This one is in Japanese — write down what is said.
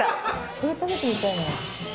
これ食べてみたいな。